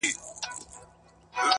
یا درویش سي یا سایل سي یاکاروان سي,